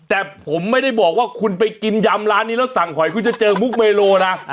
แต่ผมไม่ได้บอกว่าคุณไปกินยำร้านนี้แล้วสั่งหอยคุณจะเจอมุกเมโลนะ